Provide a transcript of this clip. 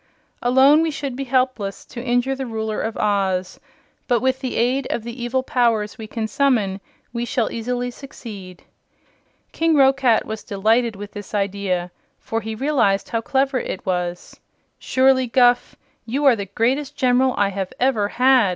Alone, we should be helpless to injure the Ruler of Oz, but with the aid of the evil powers we can summon we shall easily succeed." King Roquat was delighted with this idea, for he realized how clever it was. "Surely, Guph, you are the greatest General I have ever had!"